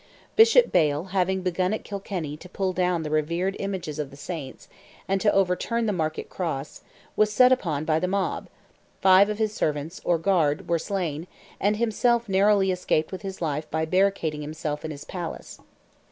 Bishop Bale having begun at Kilkenny to pull down the revered images of the Saints, and to overturn the Market Cross, was set upon by the mob, five of his servants, or guard, were slain, and himself narrowly escaped with his life by barricading himself in his palace.